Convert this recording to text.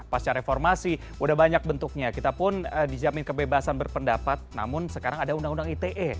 pasca reformasi udah banyak bentuknya kita pun dijamin kebebasan berpendapat namun sekarang ada undang undang ite